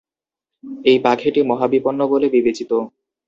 এই পাখিটি মহাবিপন্ন বলে বিবেচিত।